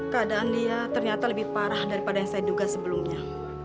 keadaan dia ternyata lebih parah daripada yang saya duga sebelumnya